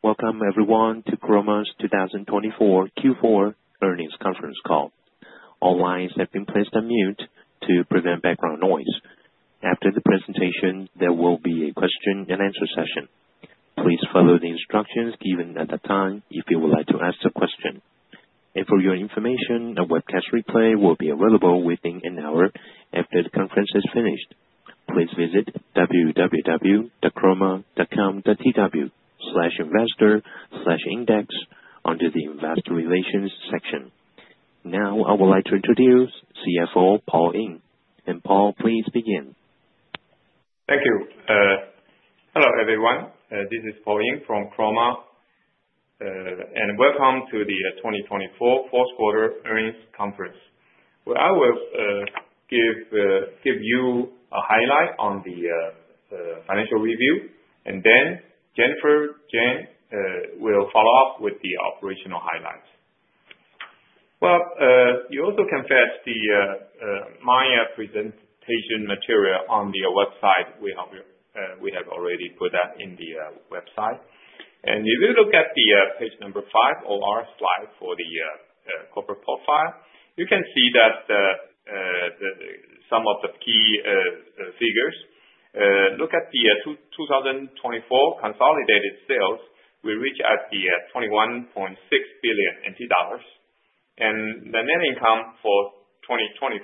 Welcome, everyone, to Chroma's 2024 Q4 Earnings Conference Call. All lines have been placed on mute to prevent background noise. After the presentation, there will be a question-and-answer session. Please follow the instructions given at that time if you would like to ask a question. And for your information, a webcast replay will be available within an hour after the conference is finished. Please visit www.chroma.com.tw/investor/index under the Investor Relations section. Now, I would like to introduce CFO Paul Ying. And Paul, please begin. Thank you. Hello, everyone. This is Paul Ying from Chroma, and welcome to the 2024 Fourth Quarter Earnings Conference. I will give you a highlight on the financial review, and then Jennifer Chang will follow up with the operational highlights. You also can fetch the my presentation material on the website. We have already put that in the website, and if you look at page number 5, or slide 4 the corporate profile, you can see that some of the key figures. Look at the 2024 consolidated sales. We reached at the 21.6 billion NT dollars, and the net income for 2024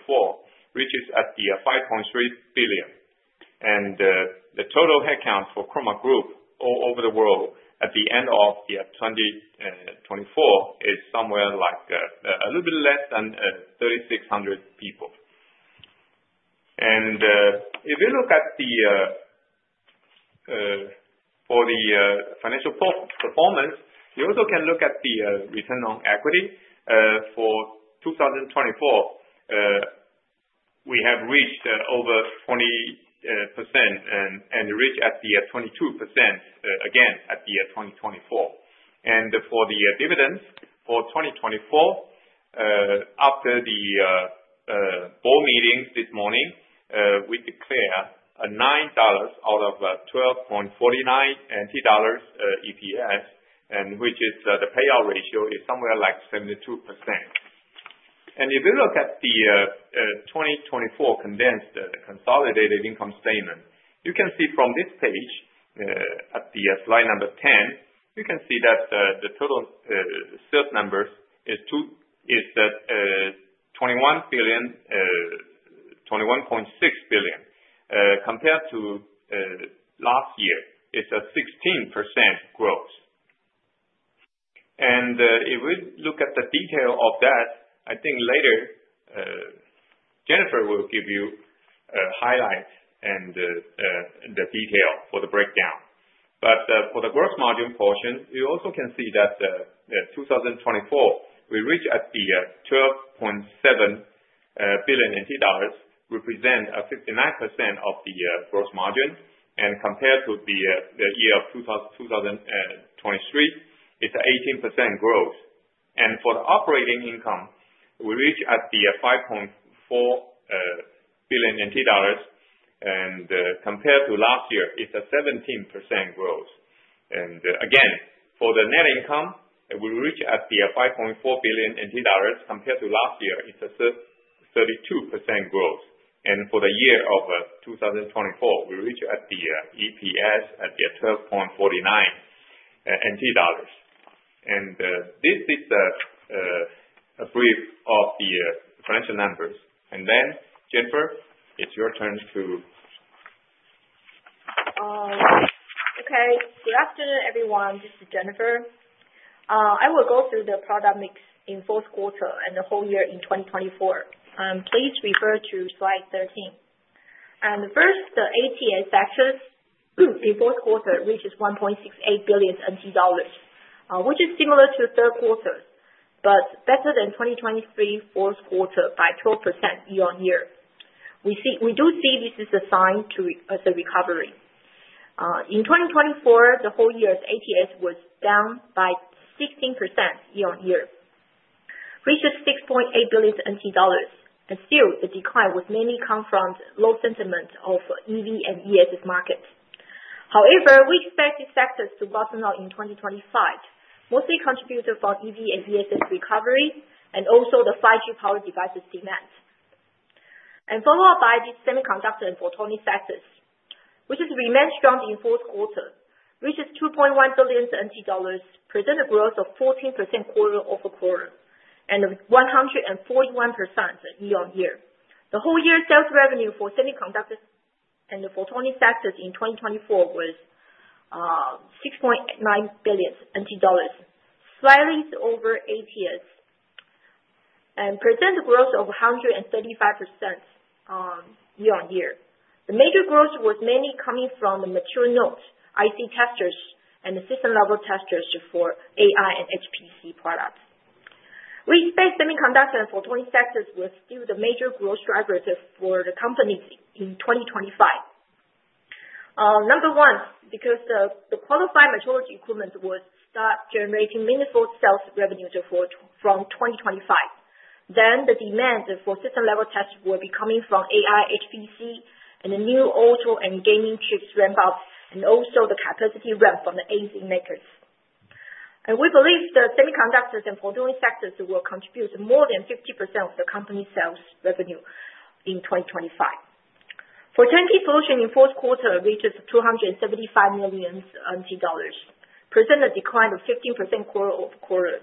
reaches at the 5.3 billion, and the total headcount for Chroma Group all over the world at the end of 2024 is somewhere like a little bit less than 3,600 people. If you look at the financial performance, you also can look at the return on equity for 2024. We have reached over 20% and reached at the 22% again at the year 2024. For the dividends for 2024, after the board meetings this morning, we declared 9 dollars out of 12.49 dollars EPS, which is the payout ratio is somewhere like 72%. If you look at the 2024 condensed consolidated income statement, you can see from this page at the slide number 10, you can see that the total sales numbers is 21.6 billion compared to last year. It's a 16% growth. If we look at the detail of that, I think later Jennifer will give you highlights and the detail for the breakdown. But for the gross margin portion, you also can see that 2024, we reached at the 12.7 billion NT dollars, which represents 59% of the gross margin. And compared to the year of 2023, it's an 18% growth. And for the operating income, we reached at the 5.4 billion NT dollars. And compared to last year, it's a 17% growth. And again, for the net income, we reached at the 5.4 billion NT dollars. Compared to last year, it's a 32% growth. And for the year of 2024, we reached at the EPS at the 12.49 NT dollars. And this is a brief of the financial numbers. And then, Jennifer, it's your turn to. Okay. Good afternoon, everyone. This is Jennifer. I will go through the product mix in fourth quarter and the whole year in 2024. Please refer to slide 13, and first, the ATS sector in fourth quarter reaches 1.68 billion NT dollars, which is similar to third quarter, but better than 2023 fourth quarter by 12% year-on-year. We do see this is a sign of the recovery. In 2024, the whole year's ATS was down by 16% year-on-year, reaching 6.8 billion NT dollars. And still, a decline was mainly come from low sentiment of EV and ESS markets. However, we expect these sectors to bottom out in 2025, mostly contributed for EV and ESS recovery and also the 5G power devices demand. Followed by the Semiconductor and Photonics sectors, which has remained strong in fourth quarter, reaching 2.1 billion NT dollars, presented a growth of 14% quarter over quarter and 141% year-on-year. The whole year sales revenue for semiconductors and the photonics sectors in 2024 was 6.9 billion dollars, slightly over ATS, and presented a growth of 135% year-on-year. The major growth was mainly coming from the mature nodes, IC testers, and the system-level testers for AI and HPC products. We expect semiconductors and photonics sectors were still the major growth drivers for the companies in 2025. Number one, because the qualified metrology equipment would start generating meaningful sales revenues from 2025. Then the demand for system-level tests will be coming from AI, HPC, and the new auto and gaming chips ramp-up, and also the capacity ramp from the IC makers. We believe the semiconductors and photonics sectors will contribute more than 50% of the company's sales revenue in 2025. For Turnkey Solutions in fourth quarter reaches 275 million dollars, presented a decline of 15% quarter over quarter,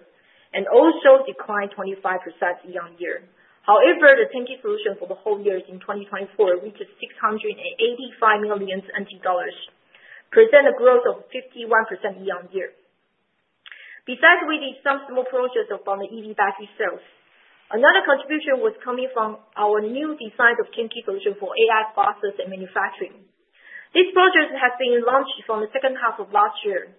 and also declined 25% year-on-year. However, the Turnkey Solutions for the whole year in 2024 reaches 685 million dollars, presented a growth of 51% year-on-year. Besides, we did some small projects from the EV battery sales. Another contribution was coming from our new design of Turnkey Solutions for AI process and manufacturing. These projects have been launched from the second half of last year,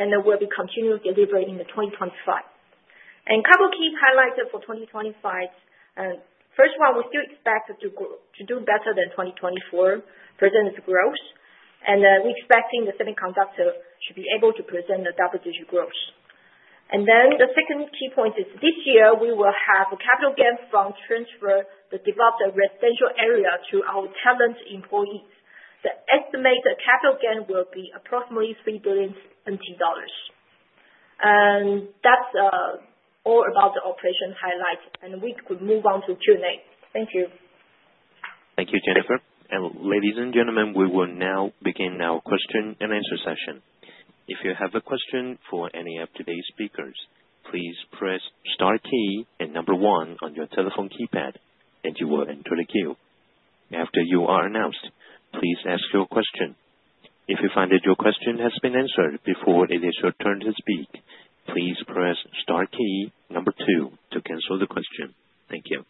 and they will be continued delivery in 2025. A couple of key highlights for 2025. First one, we still expect to do better than 2024, presenting the growth. We're expecting the semiconductor to be able to present a double-digit growth. Then the second key point is this year, we will have a capital gain from transfer that develops a residential area to our talent employees. The estimated capital gain will be approximately 3 billion. That's all about the operation highlights. We could move on to Q&A. Thank you. Thank you, Jennifer. And ladies and gentlemen, we will now begin our question-and-answer session. If you have a question for any of today's speakers, please press star key and number 1 on your telephone keypad, and you will enter the queue. After you are announced, please ask your question. If you find that your question has been answered before it is your turn to speak, please press star key number 2 to cancel the question. Thank you.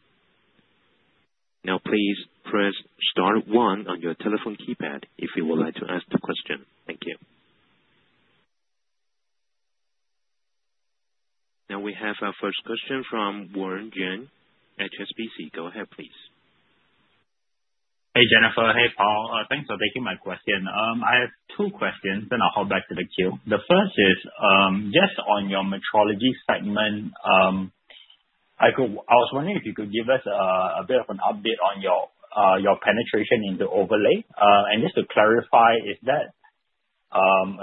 Now, please press star one on your telephone keypad if you would like to ask the question. Thank you. Now, we have our first question from Wern Juan Chng at HSBC. Go ahead, please. Hey, Jennifer. Hey, Paul. Thanks for taking my question. I have two questions, then I'll hold back the queue. The first is just on your metrology segment. I was wondering if you could give us a bit of an update on your penetration into overlay. And just to clarify, is that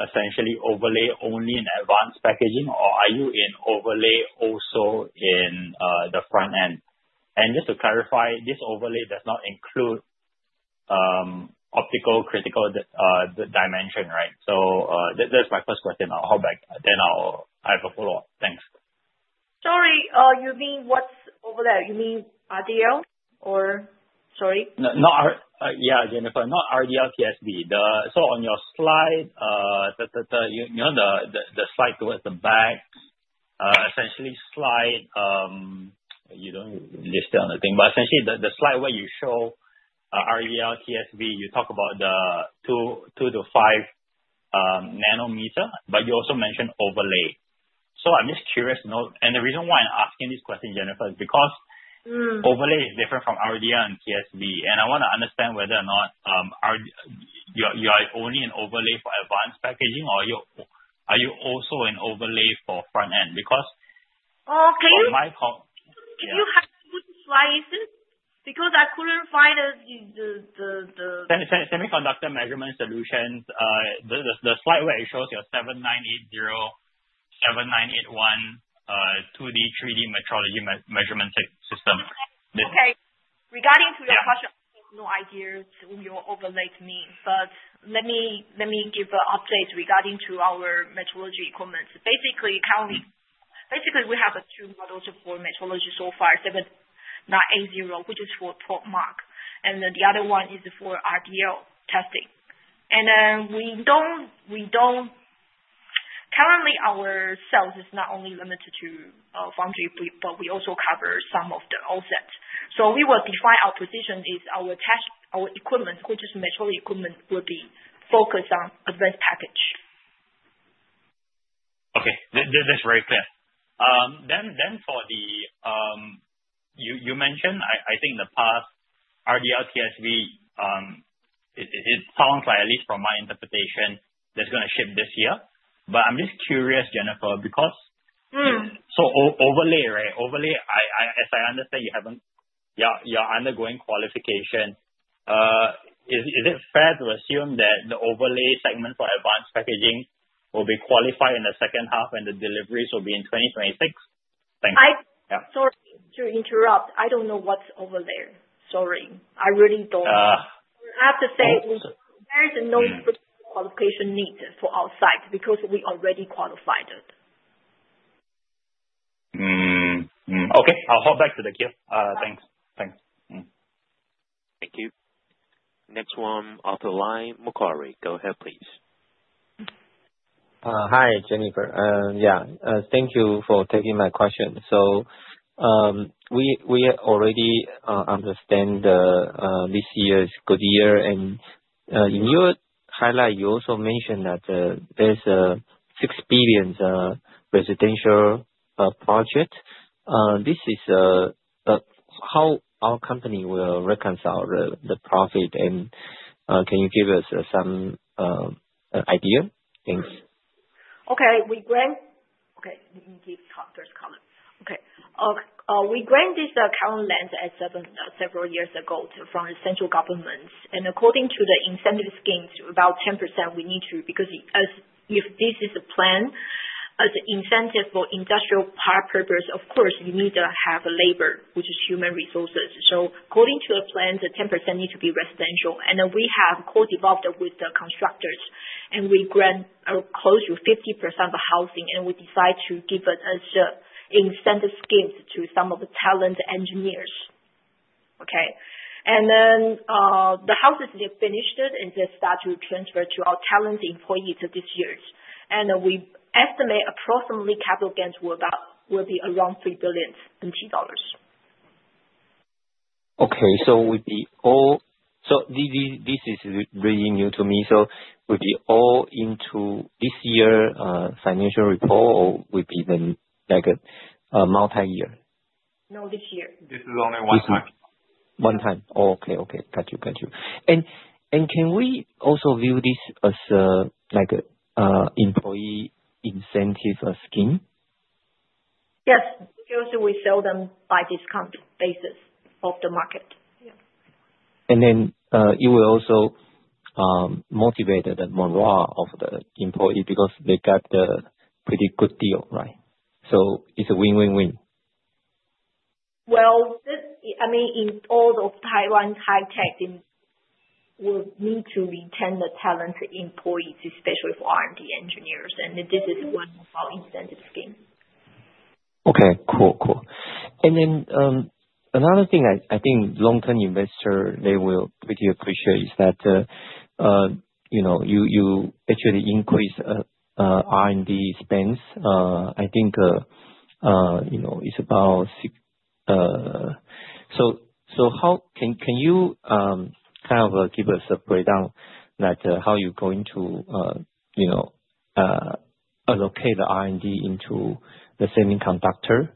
essentially overlay only in advanced packaging, or are you in overlay also in the front end? And just to clarify, this overlay does not include optical critical dimension, right? So that's my first question. I'll hold back. Then I have a follow-up. Thanks. Sorry. You mean what's overlay? You mean RDL or sorry? Yeah, Jennifer. Not RDL TSV. So on your slide, you know the slide towards the back, essentially the slide where you show RDL TSV, you talk about the two to five nanometer, but you also mentioned overlay. So I'm just curious to know, and the reason why I'm asking this question, Jennifer, is because overlay is different from RDL and TSV. And I want to understand whether or not you are only in overlay for advanced packaging, or are you also in overlay for front end? Because. Okay. Can you? You have to put the slides because I couldn't find the. Semiconductor measurement solutions, the slide where it shows your 7980, 7981, 2D, 3D metrology measurement system. Okay. Regarding to your question, I have no idea what your overlay means. But let me give an update regarding to our metrology equipment. Basically, currently, we have two models for metrology so far, 7980, which is for top mark. And then the other one is for RDL testing. And then we don't currently, our sales is not only limited to foundry, but we also cover some of the OSATs. So we will define our position is our equipment, which is metrology equipment, will be focused on advanced package. Okay. This is very clear. Then for the you mentioned, I think in the past, RDL TSV, it sounds like, at least from my interpretation, that's going to shift this year. But I'm just curious, Jennifer, because so overlay, right? Overlay, as I understand, you're undergoing qualification. Is it fair to assume that the overlay segment for advanced packaging will be qualified in the second half, and the deliveries will be in 2026? Thanks. Sorry to interrupt. I don't know what's over there. Sorry. I really don't. I have to say, there is no qualification need for outside because we already qualified it. Okay. I'll hold back the queue. Thanks. Thanks. Thank you. Next one, Arthur Lai, Macquarie. Go ahead, please. Hi, Jennifer. Yeah. Thank you for taking my question. So we already understand this year's good year. And in your highlight, you also mentioned that there's a six billion residential project. This is how our company will reconcile the profit. And can you give us some idea? Thanks. Okay. Okay. We granted this acquired land several years ago from the central governments. And according to the incentive schemes, about 10% we need to because if this is a plan, as an incentive for industrial power purpose, of course, you need to have labor, which is human resources. So according to the plan, the 10% needs to be residential. And then we have co-developed with the constructors. And we grant close to 50% of the housing. And we decide to give us incentive schemes to some of the talent engineers. Okay? And then the houses are finished and just start to transfer to our talent employees this year. And we estimate approximately capital gains will be around 3 billion NT dollars. Okay. So this is really new to me. So would be all into this year's financial report, or would be then multi-year? No, this year. This is only one time. One time. Oh, okay. Okay. Got you. Got you. And can we also view this as an employee incentive scheme? Yes. Because we sell them by discount basis of the market. Yeah. And then you will also motivate the morale of the employee because they got a pretty good deal, right? So it's a win-win-win. I mean, in all of Taiwan, high-tech will need to retain the talent employees, especially for R&D engineers. This is one of our incentive schemes. Okay. Cool. Cool. And then another thing I think long-term investors, they will really appreciate is that you actually increase R&D spends. I think it's about so can you kind of give us a breakdown that how you're going to allocate the R&D into the semiconductor?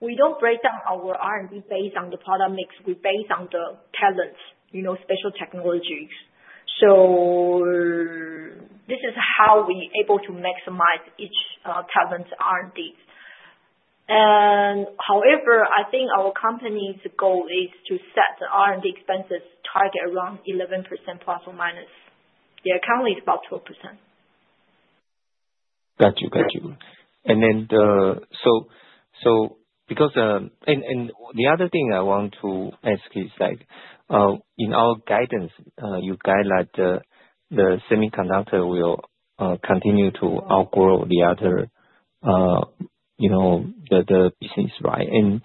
We don't break down our R&D based on the product mix. We base on the talents, special technologies. So this is how we're able to maximize each talent R&D. And however, I think our company's goal is to set the R&D expenses target around 11% plus or minus the actual is about 12%. Got you. Got you. And then so because and the other thing I want to ask is that in our guidance, you guide that the semiconductor will continue to outgrow the other business, right? And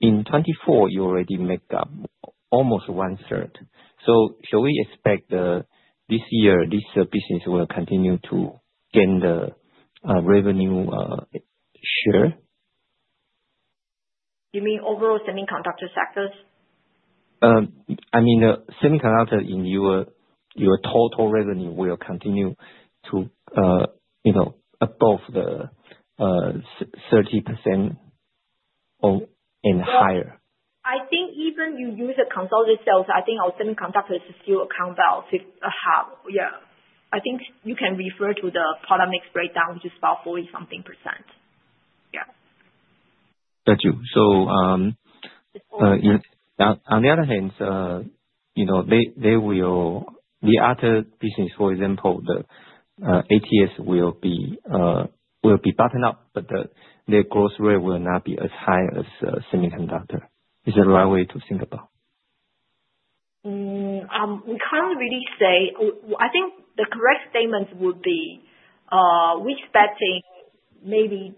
in 2024, you already make up almost one-third. So shall we expect this year this business will continue to gain the revenue share? You mean overall semiconductor sectors? I mean, the semiconductor in your total revenue will continue to above the 30% or higher? I think even you use a consolidated sales. I think our semiconductors still account about half. Yeah. I think you can refer to the product mix breakdown, which is about 40-something%. Yeah. Got you. So on the other hand, they will the other business, for example, the ATS will be bottom up, but their growth rate will not be as high as semiconductor. Is that the right way to think about? We can't really say. I think the correct statement would be we're expecting maybe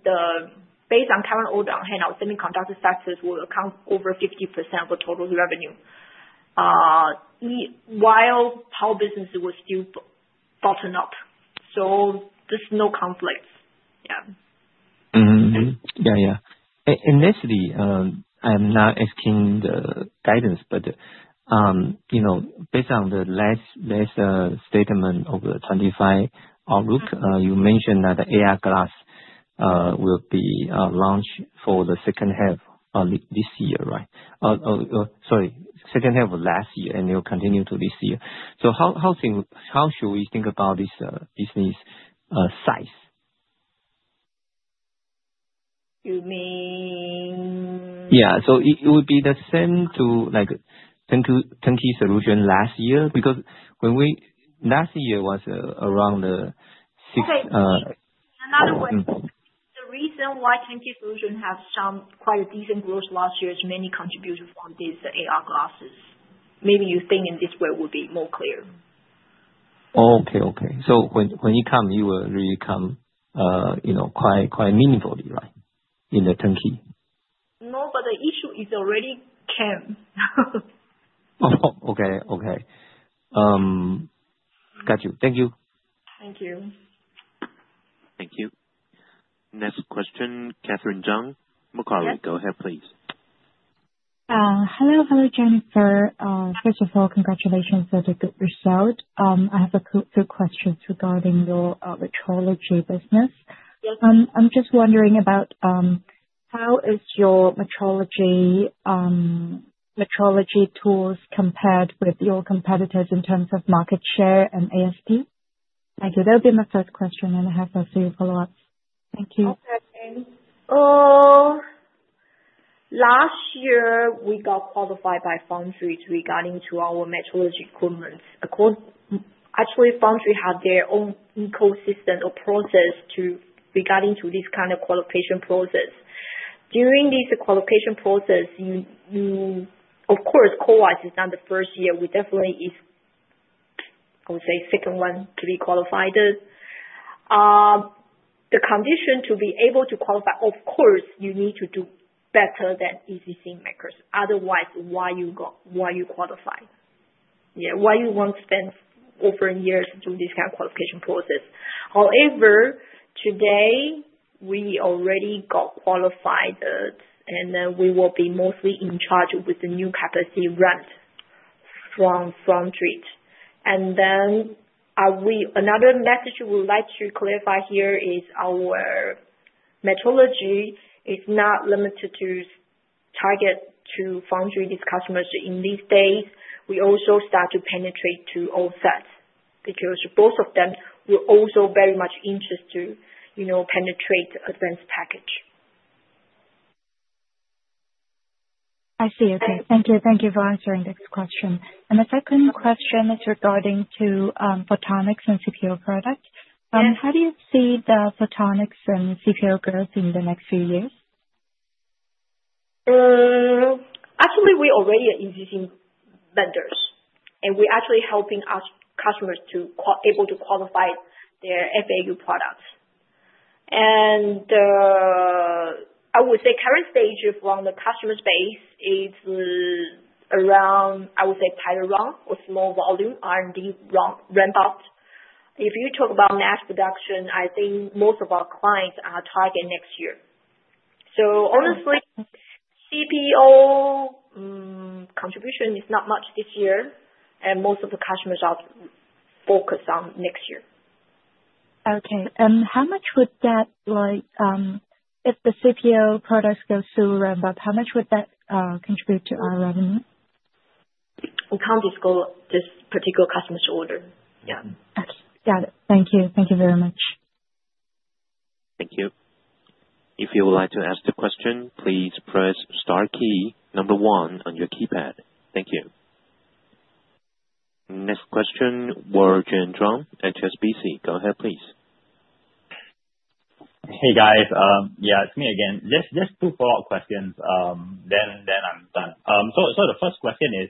based on current orders on hand, our semiconductor sectors will account over 50% of the total revenue while our business will still bottom up, so there's no conflict. Yeah. Yeah, yeah. And actually, I'm not asking the guidance, but based on the last statement of the 2025 outlook, you mentioned that the AI GPUs will be launched for the second half of this year, right? Sorry, second half of last year, and it will continue to this year. So how should we think about this business size? You mean? Yeah. So it would be the same to Turnkey Solution last year because last year was around the 6. Another one. The reason why Turnkey Solution has some quite a decent growth last year is many contributions on these AR glasses. Maybe you think in this way would be more clear. Oh, okay, okay. When you come, you will really come quite meaningfully, right, in the Turnkey? No, but the issue is already came. Oh, okay, okay. Got you. Thank you. Thank you. Thank you. Next question, Catherine Jiang, Macquarie. Go ahead, please. Hello. Hello, Jennifer. First of all, congratulations on the good result. I have a few questions regarding your metrology business. I'm just wondering about how is your metrology tools compared with your competitors in terms of market share and ASP? Thank you. That would be my first question, and I have a few follow-ups. Thank you. Last year, we got qualified by Foundry regarding our metrology equipment. Actually, Foundry had their own ecosystem or process regarding this kind of qualification process. During this qualification process, of course, core-wise, it's not the first year. We definitely is, I would say, second one to be qualified. The condition to be able to qualify, of course, you need to do better than ECC makers. Otherwise, why you qualify? Yeah. Why you won't spend over years doing this kind of qualification process? However, today, we already got qualified, and then we will be mostly in charge with the new capacity ramp from Foundry. And then another message we would like to clarify here is our metrology is not limited to target to Foundry's customers. In these days, we also start to penetrate to OSATs because both of them will also very much interest to penetrate advanced packaging. I see. Okay. Thank you. Thank you for answering this question. And the second question is regarding to photonics and CPO products. How do you see the photonics and CPO growth in the next few years? Actually, we already are existing vendors, and we're actually helping our customers to be able to qualify their FAU products. And I would say current stage from the customer base is around, I would say, right around or small volume R&D ramp-up. If you talk about mass production, I think most of our clients are targeting next year. So honestly, CPO contribution is not much this year, and most of the customers are focused on next year. Okay. And how much would that, if the CPO products go into ramp-up, contribute to our revenue? We can't disclose this particular customer's order. Yeah. Got it. Thank you. Thank you very much. Thank you. If you would like to ask the question, please press star key number 1 on your keypad. Thank you. Next question for Wern Juan Chng, HSBC. Go ahead, please. Hey, guys. Yeah, it's me again. Just two follow-up questions, then I'm done. So the first question is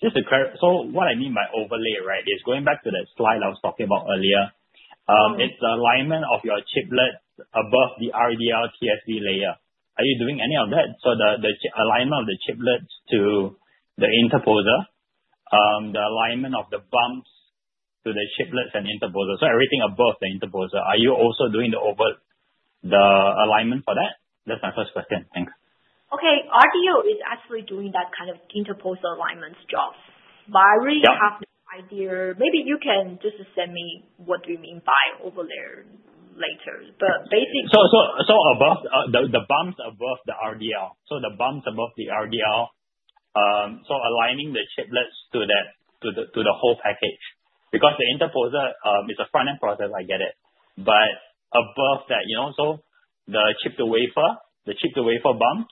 just to clarify. So what I mean by overlay, right, is going back to the slide I was talking about earlier. It's the alignment of your chiplets above the RDL TSV layer. Are you doing any of that? So the alignment of the chiplets to the interposer, the alignment of the bumps to the chiplets and interposer, so everything above the interposer, are you also doing the alignment for that? That's my first question. Thanks. Okay. RDL is actually doing that kind of interposer alignment jobs. But I really have no idea. Maybe you can just send me what you mean by overlay later. But basically. So the bumps above the RDL, so the bumps above the RDL, so aligning the chiplets to the whole package. Because the interposer is a front-end process, I get it. But above that, so the chip to wafer, the chip to wafer bumps,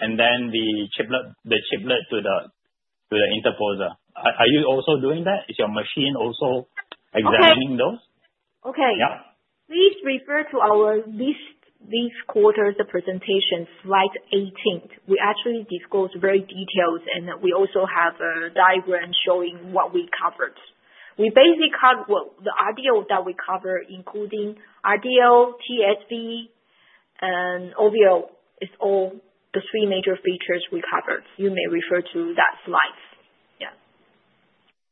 and then the chiplet to the interposer. Are you also doing that? Is your machine also examining those? Okay. Please refer to our this quarter's presentations, slide 18. We actually disclose very detailed, and we also have a diagram showing what we covered. We basically covered the RDL that we cover, including RDL, TSV, and OVL. It's all the three major features we covered. You may refer to that slide. Yeah.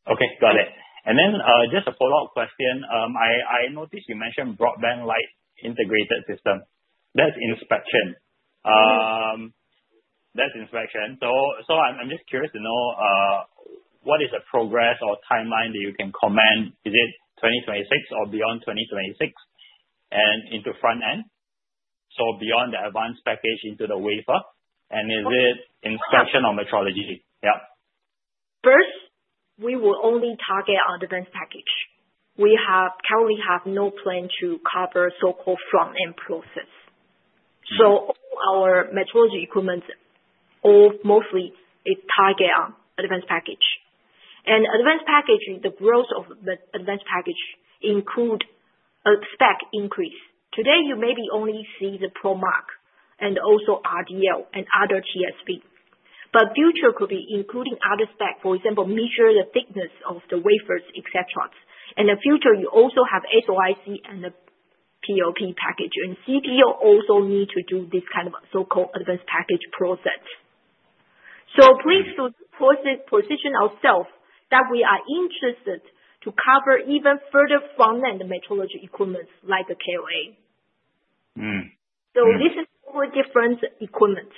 Okay. Got it. And then just a follow-up question. I noticed you mentioned Broadband Light Interferometry System. That's inspection. That's inspection. So I'm just curious to know what is the progress or timeline that you can comment? Is it 2026 or beyond 2026? And into front-end? So beyond the advanced package into the wafer? And is it inspection or metrology? Yeah. First, we will only target our advanced package. We currently have no plan to cover so-called front-end process. All our metrology equipment, mostly, is targeted on advanced package. Advanced package, the growth of advanced package includes a spec increase. Today, you maybe only see the top mark and also RDL and other TSV. Future could be including other specs, for example, measuring the thickness of the wafers, etc. In the future, you also have SOIC and the PoP package. CPO also need to do this kind of so-called advanced package process. Please position ourselves that we are interested to cover even further front-end metrology equipment like the KLA. This is all different equipment.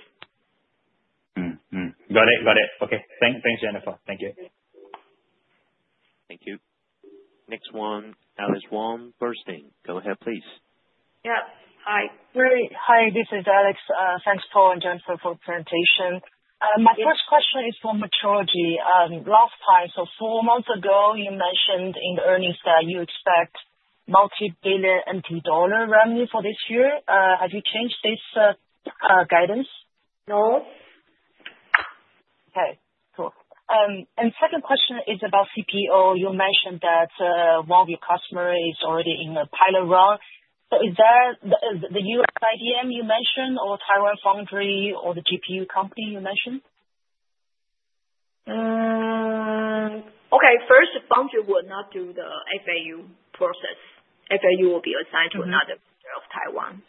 Got it. Okay. Thanks, Jennifer. Thank you. Next one, Alex Wong, BofA Securities. Go ahead, please. Hi. This is Alex. Thanks, Paul and Jennifer, for the presentation. My first question is for metrology. Last time, so four months ago, you mentioned in earnings that you expect multi-hundred million dollar revenue for this year. Have you changed this guidance? No. Okay. Cool. And second question is about CPO. You mentioned that one of your customers is already in the pilot run. So is that the U.S. IDM you mentioned or Taiwan Foundry or the GPU company you mentioned? Okay. First, Foundry will not do the FAU process. FAU will be assigned to another vendor of Taiwan.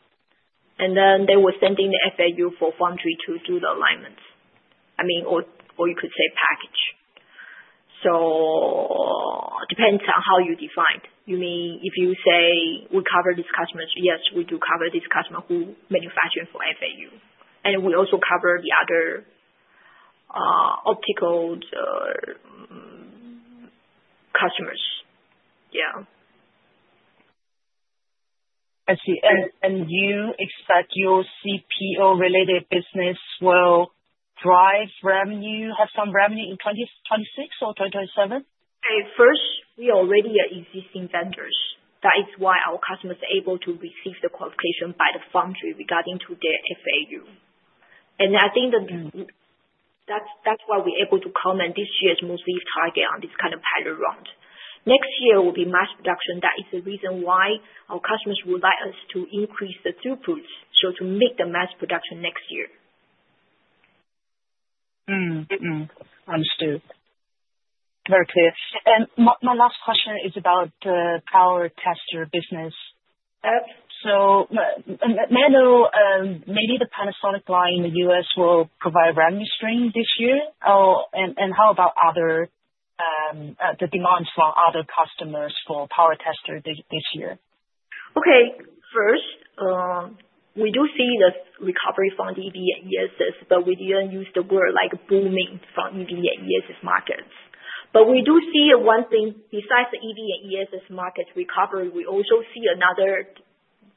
And then they will send in the FAU for Foundry to do the alignment. I mean, or you could say package. So depends on how you define. You mean if you say we cover these customers, yes, we do cover these customers who manufacture for FAU. And we also cover the other optical customers. Yeah. I see. And you expect your CPO-related business will drive revenue, have some revenue in 2026 or 2027? Okay. First, we already are existing vendors. That is why our customers are able to receive the qualification by the Foundry regarding their FAU. And I think that's why we're able to commit this year's monthly target on this kind of pilot run. Next year will be mass production. That is the reason why our customers would like us to increase the throughput, so to meet the mass production next year. Understood. Very clear. And my last question is about the power tester business. So maybe the Panasonic line in the U.S. will provide revenue stream this year. And how about the demands for other customers for power tester this year? Okay. First, we do see the recovery from EV and ESS, but we didn't use the word like booming from EV and ESS markets. But we do see one thing besides the EV and ESS market recovery, we also see another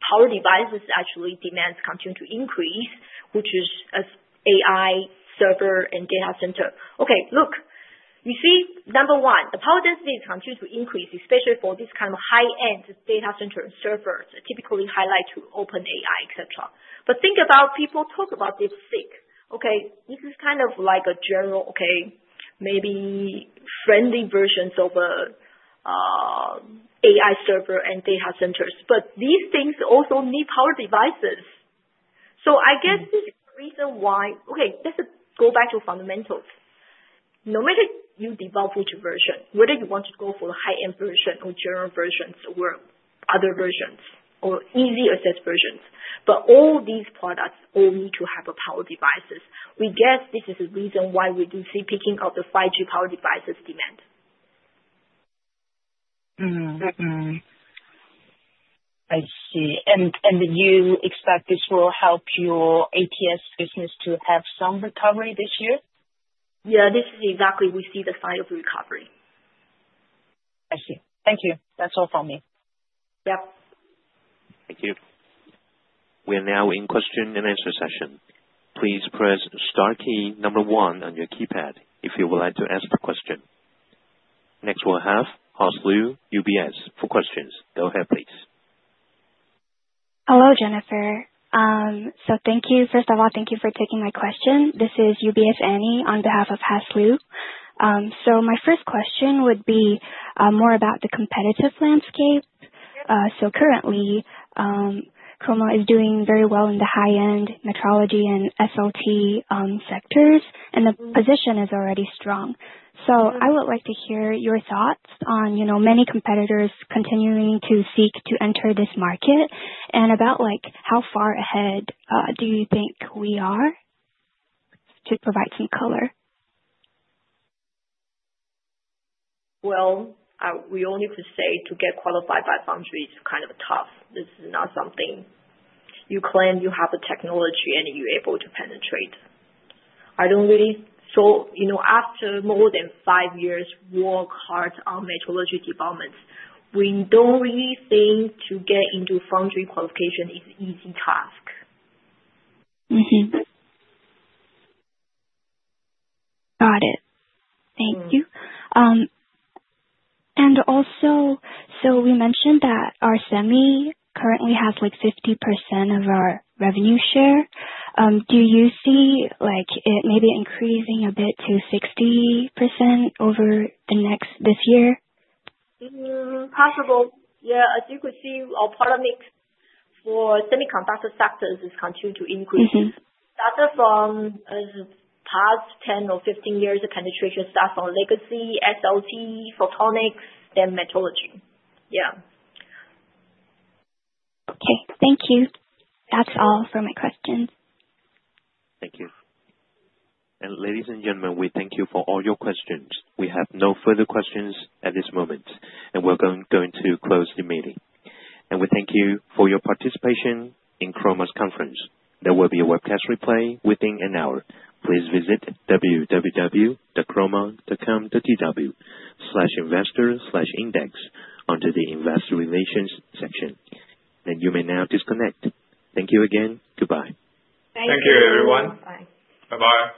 power devices actually demands continue to increase, which is AI server and data center. Okay. Look, you see, number one, the power density is continuing to increase, especially for this kind of high-end data center servers, typically highlight to OpenAI, etc. But think about people talk about this SiC. Okay. This is kind of like a general, okay, maybe friendly versions of AI server and data centers. But these things also need power devices. So I guess this is the reason why okay, let's go back to fundamentals. No matter you develop which version, whether you want to go for the high-end version or general versions or other versions or ESS versions, but all these products all need to have power devices. We guess this is the reason why we do see picking up the 5G power devices demand. I see. And you expect this will help your ATS business to have some recovery this year? Yeah. This is exactly we see the sign of recovery. I see. Thank you. That's all from me. Yeah. Thank you. We are now in question-and-answer-session. Please press star key number one on your keypad if you would like to ask a question. Next we'll have Haslu, UBS, for questions. Go ahead, please. Hello, Jennifer. So thank you. First of all, thank you for taking my question. This is UBS Annie on behalf of Haslu. So my first question would be more about the competitive landscape. So currently, Chroma is doing very well in the high-end metrology and SLT sectors, and the position is already strong. So I would like to hear your thoughts on many competitors continuing to seek to enter this market and about how far ahead do you think we are to provide some color? We all need to say to get qualified by Foundry is kind of tough. This is not something you claim you have the technology and you're able to penetrate. I don't really think so. After more than five years work hard on metrology development, we don't really think to get into Foundry qualification is easy task. Got it. Thank you. And also, so we mentioned that our semi currently has like 50% of our revenue share. Do you see it maybe increasing a bit to 60% over the next this year? Possible. Yeah. As you could see, a part of it for semiconductor sectors is continuing to increase. The other from past 10 or 15 years of penetration starts on legacy SLT, photonics, then metrology. Yeah. Okay. Thank you. That's all for my questions. Thank you. And ladies and gentlemen, we thank you for all your questions. We have no further questions at this moment, and we're going to close the meeting. And we thank you for your participation in Chroma's conference. There will be a webcast replay within an hour. Please visit www.chroma.com.tw/investor/index under the investor relations section. And you may now disconnect. Thank you again. Goodbye. Thank you. Thank you, everyone. Bye. Bye-bye.